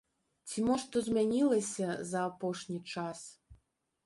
Ці мо што змянілася за апошні час?